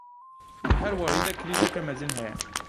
Di her warî de krîzeke mezin heye.